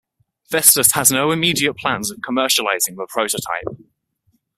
Vestas has no immediate plans of commercializing the prototype.